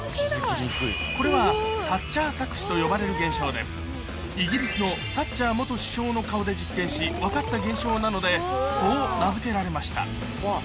これはサッチャー錯視と呼ばれる現象でイギリスのサッチャー首相の顔で実験し分かった現象なのでそう名付けられました